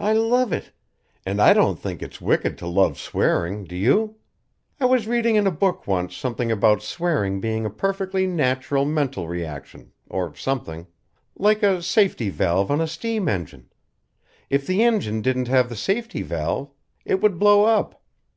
"I love it. And I don't think it's wicked to love swearing, do you? I was reading in a book once something about swearing being a perfectly natural mental reaction, or something like a safety valve on a steam engine. If the engine didn't have the safety valve, it would blow up.